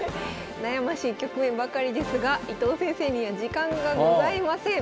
悩ましい局面ばかりですが伊藤先生には時間がございません。